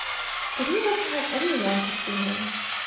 "Did he ever have any one to see him?"